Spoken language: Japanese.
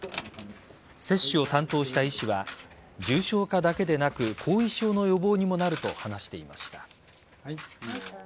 接種を担当した医師は重症化だけでなく後遺症の予防にもなると話していました。